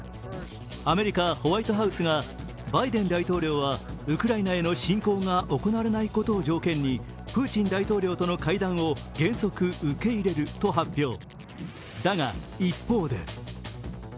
アメリカ・ホワイトハウスがバイデン大統領はウクライナへの侵攻が行われないことを条件にプーチン大統領都の会談を原則受け入れると発表。